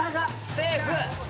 セーフ。